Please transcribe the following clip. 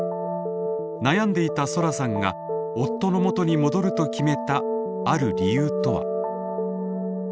悩んでいたソラさんが夫のもとに戻ると決めたある理由とは？